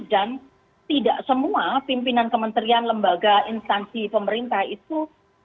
dan tidak semua pimpinan kementerian lembaga instansi pemerintah itu